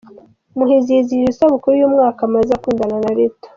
Muhizi yizihije isabukuru y’umwaka amaze akundana na Rita